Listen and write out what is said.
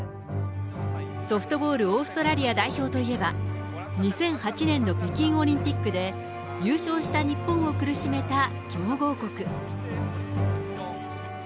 ソフトボールオーストラリア代表といえば、２００８年の北京オリンピックで、優勝した日本を苦しめた強豪国。